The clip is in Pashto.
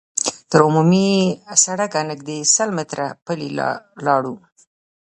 تر عمومي سړکه نږدې سل متره پلي لاړو.